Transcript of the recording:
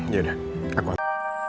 ya udah aku hati